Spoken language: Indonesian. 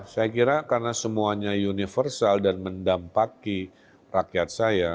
saya kira karena semuanya universal dan mendampaki rakyat saya